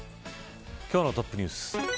今日のトップニュース。